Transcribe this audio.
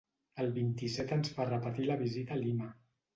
El vint-i-set ens fa repetir la visita a Lima.